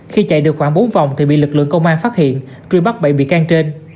khi chạy được khoảng bốn vòng thì bị lực lượng công an phát hiện truy bắt bảy bị can trên